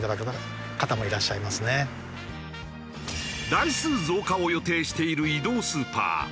台数増加を予定している移動スーパー。